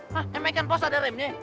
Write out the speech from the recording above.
hah emang ikan paus ada remnya